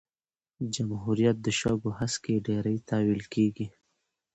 جمهوریت د شګو هسکی ډېرۍ ته ویل کیږي.